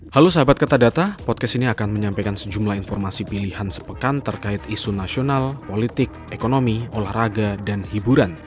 halo sahabat kertadata podcast ini akan menyampaikan sejumlah informasi pilihan sepekan terkait isu nasional politik ekonomi olahraga dan hiburan